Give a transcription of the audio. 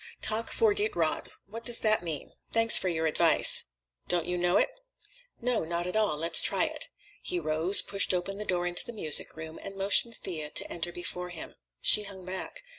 Tak for Ditt Råd. What does that mean?" "'Thanks for your Advice.' Don't you know it?" "No; not at all. Let's try it." He rose, pushed open the door into the music room, and motioned Thea to enter before him. She hung back.